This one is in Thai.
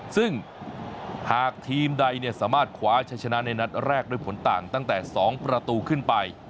ซึ่งหากทีมใดสามารถคว้าใช้ชนะในนัดแรกด้วยผลต่างตั้งแต่๒ประตูขึ้นไป